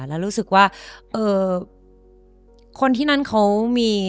แล้วรู้สึกว่าคนที่นั่นเขามี